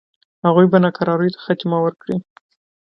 هغوی به ناکراریو ته خاتمه ورکړي.